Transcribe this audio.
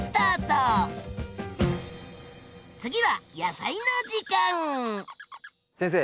次は先生。